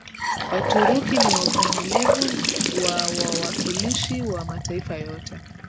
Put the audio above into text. Waturuki ni wavumilivu wa wawakilishi wa mataifa yote